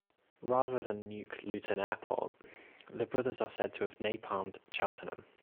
Rather than nuke Luton Airport, the brothers are said to have napalmed Cheltenham.